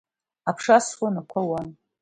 Аԥша асуан, ақәа ауан…